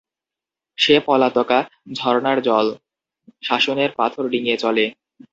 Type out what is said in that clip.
সে পলাতকা ঝরনার জল, শাসনের পাথর ডিঙিয়ে চলে।